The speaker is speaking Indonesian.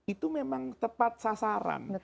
itu memang tepat sasaran